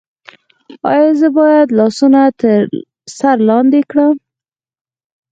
ایا زه باید لاسونه تر سر لاندې کړم؟